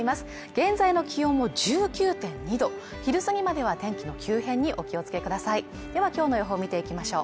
現在の気温も１９．２度、昼過ぎまでは天気の急変にお気をつけくださいでは今日の予報見ていきましょう。